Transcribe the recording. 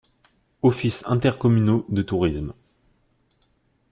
Offices Intercommunaux de Tourisme.